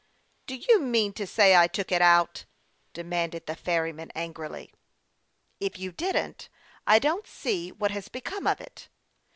" Do you mean to say I took it out ?" demanded the ferryman, angrily. " If you didn't, I don't see what has become of it."